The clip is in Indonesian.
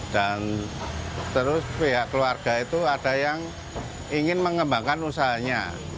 terus pihak keluarga itu ada yang ingin mengembangkan usahanya